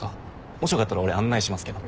もしよかったら俺案内しますけど。